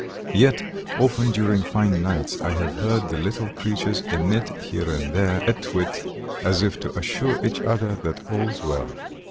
Yet, often during fine nights I have heard the little creatures emit, here and there, a twit, as if to assure each other that all's well."